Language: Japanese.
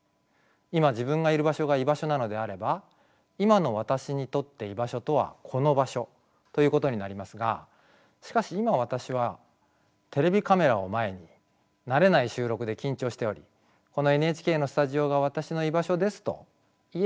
今自分がいる場所が居場所なのであれば今の私にとって居場所とはこの場所ということになりますがしかし今私はテレビカメラを前に慣れない収録で緊張しており「このＮＨＫのスタジオが私の居場所です」と言えるかというと疑問です。